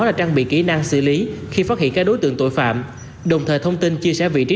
và trang bị kỹ năng xử lý khi phát hiện các đối tượng tội phạm đồng thời thông tin chia sẻ vị trí